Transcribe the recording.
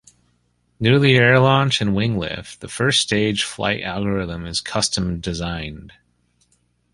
Due to the air launch and wing lift, the first-stage flight algorithm is custom-designed.